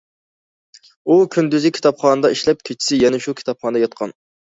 ئۇ كۈندۈزى كىتابخانىدا ئىشلەپ، كېچىسى يەنە شۇ كىتابخانىدا ياتقان.